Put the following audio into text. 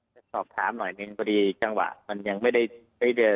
จะสอบถามหน่อยนึงพอดีจังหวะมันยังไม่ได้เดิน